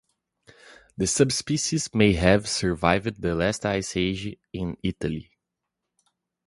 The subspecies may have survived the last Ice Age in Italy.